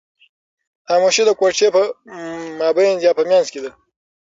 خاموشي د کوټې په منځ کې ده.